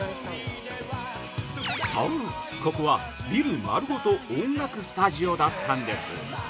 ◆そう、ここはビルまるごと音楽スタジオだったんです。